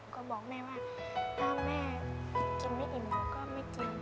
ก็บอกแม่ว่าถ้าแม่กินไม่อิ่มก็ไม่กิน